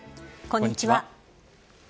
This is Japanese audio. こんにちは。